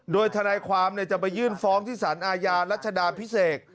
โดยทนายความจะไปยื่นฟ้องที่สารอาญารัชดาพิเศษ